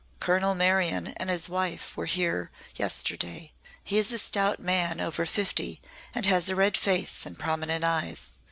Colonel Marion and his wife were here yesterday. He is a stout man over fifty and has a red face and prominent eyes.